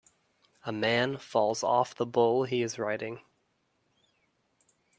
A man falls off the bull he is riding